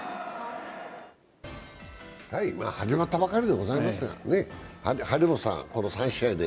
始まったばかりでございますが、張本さん、この３試合で。